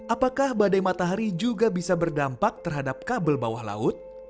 apakah badai matahari juga bisa berdampak terhadap kabel bawah laut